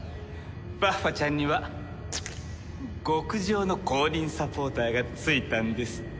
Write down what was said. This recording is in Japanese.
バッファちゃんには極上の公認サポーターがついたんですって。